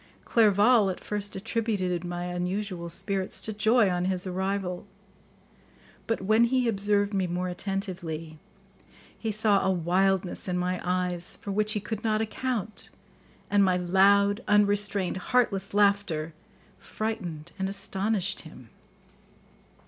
Clerval at first attributed my unusual spirits to joy on his arrival, but when he observed me more attentively, he saw a wildness in my eyes for which he could not account, and my loud, unrestrained, heartless laughter frightened and astonished him.